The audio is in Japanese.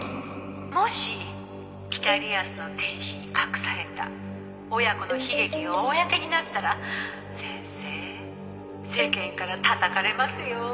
「もし『北リアスの天使』に隠された親子の悲劇が公になったら先生世間からたたかれますよ？」